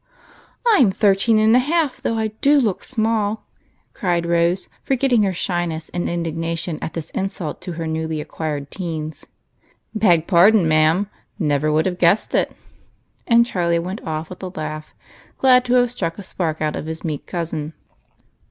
" I 'm thirteen and a half, though I do look small," cried Rose, forgetting her shyness in indignation, at this insult to her newly acquired teens. "Beg pardon, ma'am; never should have guessed it." And Charlie went off with a laugh, glad to have struck a spark out of his meek cousin.